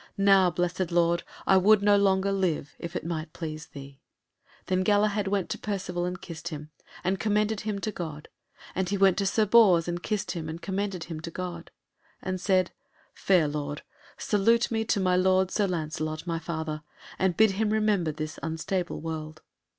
Now, blessed Lord, I would no longer live, if it might please Thee." Then Galahad went to Percivale and kissed him, and commended him to God; and he went to Sir Bors and kissed him, and commended him to God, and said, "Fair lord, salute me to my lord Sir Lancelot, my father, and bid him remember this unstable world."